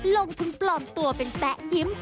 ลงทุนปลอมตัวเป็นแป๊ะยิ้ม